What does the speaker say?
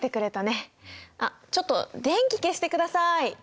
あっちょっと電気消してください。